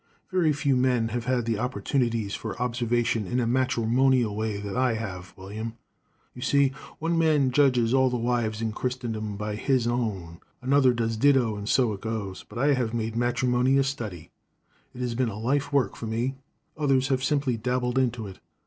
"Very few men have had the opportunities for observation in a matrimonial way that I have, William. You see, one man judges all the wives in Christendom by his'n. Another does ditto, and so it goes. But I have made matrimony a study. It has been a life work for me. Others have simply dabbled into it.